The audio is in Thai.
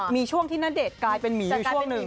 มีช่วงที่ณเดชน์กลายเป็นหมีในช่วงหนึ่ง